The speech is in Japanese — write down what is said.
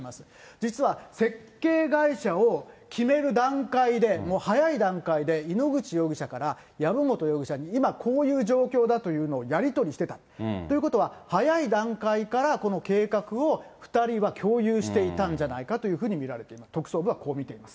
実は設計会社を決める段階で、もう早い段階で、井ノ口容疑者から籔本容疑者に今こういう状況だというのをやり取りしてた、ということは、早い段階からこの計画を２人は共有していたんじゃないかというふうに見られている、特捜部はこう見ています。